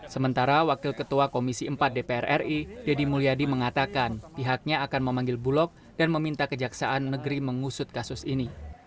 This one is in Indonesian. sementara wakil ketua komisi empat dpr ri deddy mulyadi mengatakan pihaknya akan memanggil bulog dan meminta kejaksaan negeri mengusut kasus ini